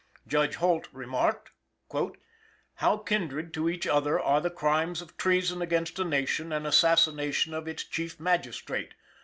Judge Holt remarked: "How kindred to each other are the crimes of treason against a nation and assassination of its chief magistrate.